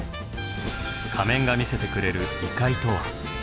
仮面が見せてくれる異界とは？